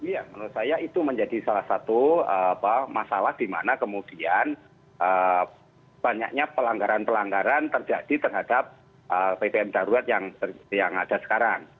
ya menurut saya itu menjadi salah satu masalah di mana kemudian banyaknya pelanggaran pelanggaran terjadi terhadap pbm darurat yang ada sekarang